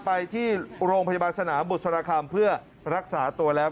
ไปที่โรงพยาบาลสนามบุษรคำเพื่อรักษาตัวแล้ว